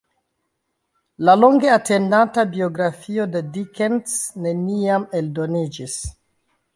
La longe atendata biografio de Dickens neniam eldoniĝis.